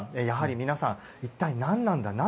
やはり皆さん、一体何なんだ